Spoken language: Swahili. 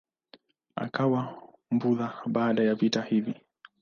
Akawa Mbudha baada ya vita hivi.